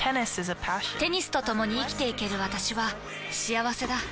テニスとともに生きていける私は幸せだ。